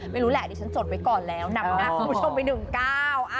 ไม่รู้แหละดิฉันจดไว้ก่อนแล้วนำหน้าคุณผู้ชมไปหนึ่งก้าว